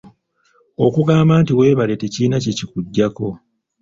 Okugamba nti weebale tekirina kye kikugyako.